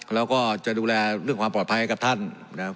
แล้วก็จะดูแลเรื่องความปลอดภัยให้กับท่านนะครับ